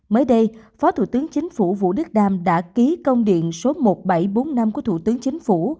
mới đây phó thủ tướng chính phủ vũ đức đam đã ký công điện số một nghìn bảy trăm bốn mươi năm của thủ tướng chính phủ